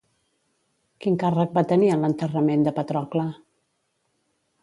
Quin càrrec va tenir en l'enterrament de Patrocle?